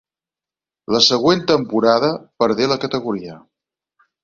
La següent temporada perdé la categoria.